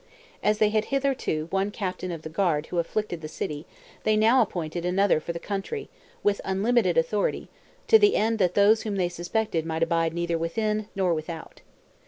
As they had hitherto had one captain of the guard who afflicted the city, they now appointed another for the country, with unlimited authority, to the end that those whom they suspected might abide neither within nor without.